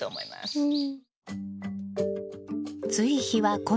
うん。